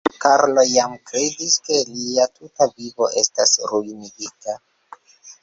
Karlo jam kredis, ke lia tuta vivo estas ruinigita.